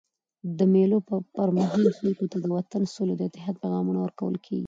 د مېلو پر مهال خلکو ته د وطن، سولي او اتحاد پیغامونه ورکول کېږي.